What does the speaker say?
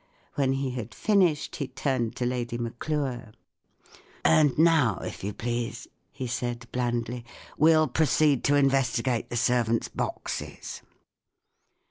When he had finished, he turned to Lady Maclure. " And now, if you please," he said, blandly, " we'll proceed to investigate the servants' boxes."